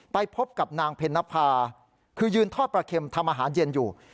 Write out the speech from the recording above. ไปพบกับนางเพ็ญนภาคือยืนทอดปลาเข็มทำอาหารเย็นอยู่